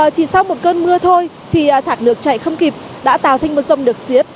chỉ sau một cơn mưa thôi thì thạc lược chạy không kịp đã tạo thành một dông được xiết